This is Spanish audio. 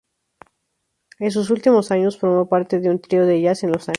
En sus últimos años formó parte de un trío de jazz en Los Ángeles.